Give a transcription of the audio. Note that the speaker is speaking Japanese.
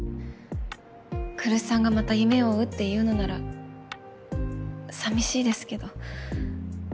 来栖さんがまた夢を追うって言うのなら寂しいですけど。